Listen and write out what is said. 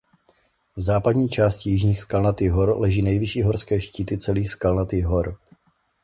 V západní části Jižních Skalnatých hor leží nejvyšší horské štíty celých Skalnatých hor.